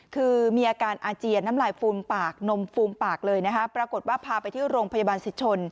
คือมีอาการอาเจียนน้ำลายฟูมปากนมฟูมปากเลยนะคะปรากฏว่าพาไปที่โรงพยาบาลสิทธชน